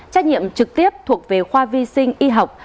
trách nhiệm trực tiếp thuộc về khoa vi sinh y học